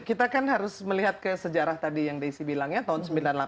kita kan harus melihat ke sejarah tadi yang desy bilang ya tahun sembilan puluh delapan